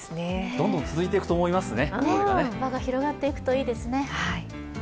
どんどん続いていくと思いますね。